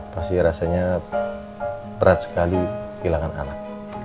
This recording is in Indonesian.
pasti rasanya berat sekali kehilangan anak